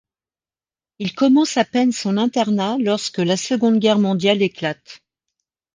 Il commence à peine son internat lorsque la Seconde Guerre mondiale éclate.